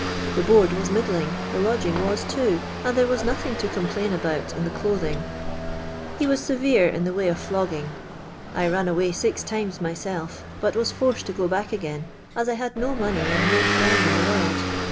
The bosird was middling, lh<; lodging was too, and tlure was nothing to complain about in the chithing. lie wui Ni'vere in the way of Hogging. I nut away six tiiiiiN mykelt, but was forced to go bjick again, 111 I had no money and no friend in the world.